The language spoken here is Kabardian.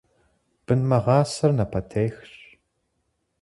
Бын мыгъасэр напэтехщ.